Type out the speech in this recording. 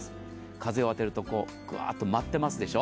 風を当てると、ブワーッと舞ってますでしょ。